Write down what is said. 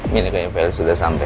minta kayak vels udah sampai